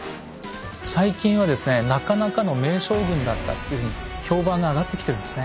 最近はですねなかなかの名将軍だったっていうふうに評判が上がってきてるんですね。